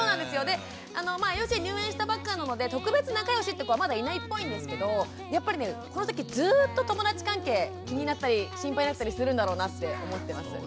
で幼稚園入園したばっかなので特別仲よしって子はまだいないっぽいんですけどやっぱりねこの先ずっと友だち関係気になったり心配になったりするんだろうなって思ってます。